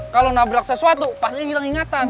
kalau nabrak sesuatu pasti bilang ingatan